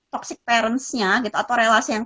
toxic parentsnya gitu atau relasi yang